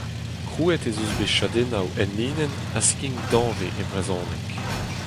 Krouet ez eus bet chadennoù enlinenn a skign danvez e brezhoneg.